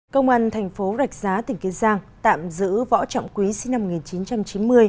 công an thành phố rạch giá tỉnh kiên giang tạm giữ võ trọng quý sinh năm một nghìn chín trăm chín mươi